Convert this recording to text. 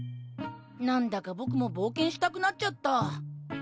何だか僕も冒険したくなっちゃった。